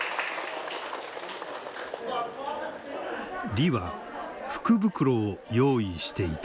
李は福袋を用意していた。